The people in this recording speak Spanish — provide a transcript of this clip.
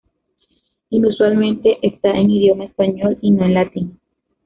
Inusualmente, está en idioma español y no en latín.